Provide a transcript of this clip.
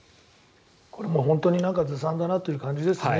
これも本当にずさんだなという感じですね